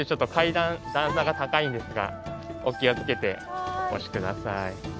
段差が高いんですがお気を付けてお越し下さい。